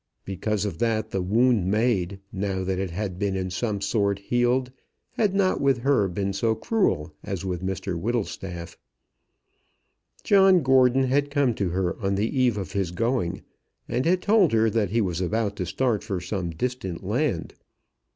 Because of that, the wound made, now that it had been in some sort healed, had not with her been so cruel as with Mr Whittlestaff. John Gordon had come to her on the eve of his going, and had told her that he was about to start for some distant land.